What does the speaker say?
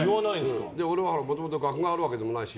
俺は、もともと学があるわけじゃないし。